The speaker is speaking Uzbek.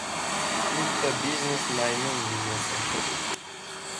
Kriptobiznes – maymun biznesi